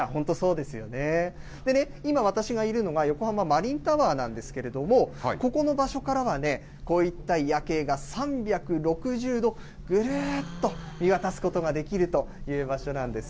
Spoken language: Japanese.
でね、今、私がいるのが、横浜マリンタワーなんですけれども、ここの場所からは、こういった夜景が、３６０度、ぐるーっと見渡すことができるという場所なんです。